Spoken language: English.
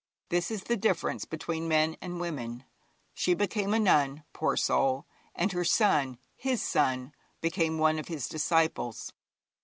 This is the difference between men and women. She became a nun, poor soul! and her son his son became one of his disciples.